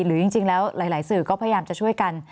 หรือจริงแล้วหลายสื่อก็พยายามจะช่วยกัน